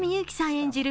演じる